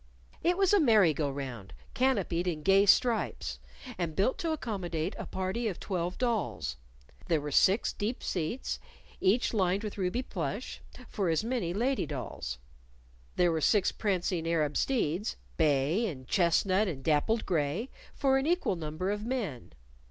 It was a merry go round, canopied in gay stripes, and built to accommodate a party of twelve dolls. There were six deep seats, each lined with ruby plush, for as many lady dolls: There were six prancing Arab steeds bay and chestnut and dappled gray for an equal number of men.